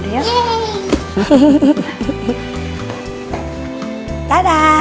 dadah selamat tidur